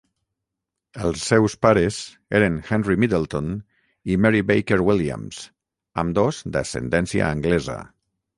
Els seus pares eren Henry Middleton i Mary Baker Williams, ambdós d'ascendència anglesa.